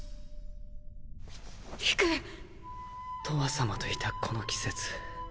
とわさまといたこの季節